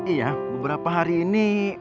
iya beberapa hari ini